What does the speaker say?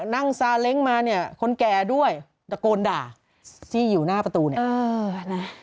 นั่งซาเล้งมาเนี่ยคนแก่ด้วยตะโกนด่าที่อยู่หน้าประตูเนี่ยเออนะ